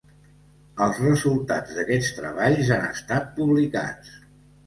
Els resultats d'aquests treballs han estat publicats.